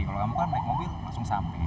kalau kamu kan naik mobil langsung sampai